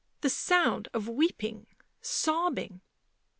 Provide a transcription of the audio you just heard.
The sound of weeping, sobbing.